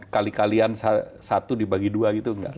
kali kalian satu dibagi dua gitu nggak